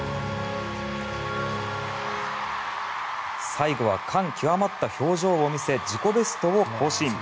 最後は、感極まった表情を見せ自己ベストを更新。